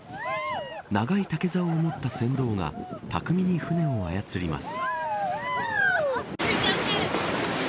長い竹ざおを持った船頭が巧みに舟を操ります。